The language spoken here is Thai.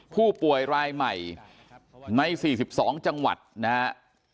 ผู้ป่วยรายใหม่ใน๔๒จังหวัดนะครับ